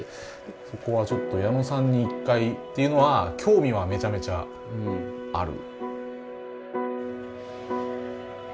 そこはちょっと矢野さんに１回っていうのは興味はめちゃめちゃある。